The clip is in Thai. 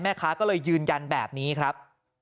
แม่ค้าก็เลยยืนยันแบบนี้ครับ